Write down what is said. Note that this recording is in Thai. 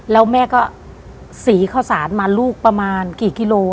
แล้วแม่ก็สีข้าวสารมาลูกประมาณกี่กิโล